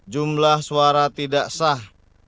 jumlah suara tidak sah